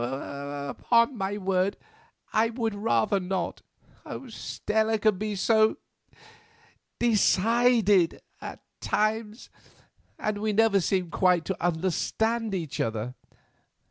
"Upon my word, I'd rather not. Stella can be so—decided—at times, and we never seem quite to understand each other.